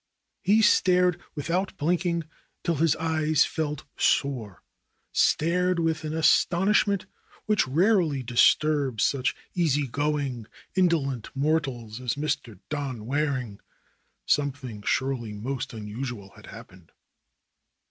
He stared without blinking till his eyes felt sore ; stared with an astonish ment which rarely disturbs such easy going, indolent mortals as Mr. Don Waring. Something surely most unusual had happened.